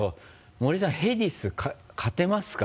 森さんへディス勝てますか？